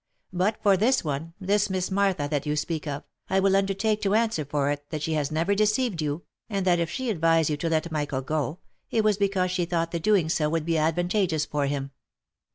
But for this one, this Miss Martha that you speak of, I will undertake to an swer for it that she has never deceived you, and that if she advised you to let Michael go, it was because she thought the doing so would be advantageous for him."